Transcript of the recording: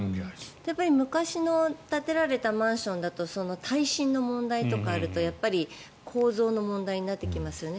昔に建てられたマンションだと耐震の問題とかあると構造の問題になってきますよね。